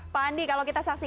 pak andi kalau kita saksi